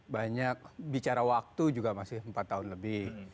banyak bicara waktu juga masih empat tahun lebih